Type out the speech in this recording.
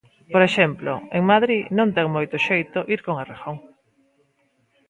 Por exemplo, en Madrid non ten moito xeito ir con Errejón.